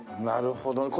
なるほど。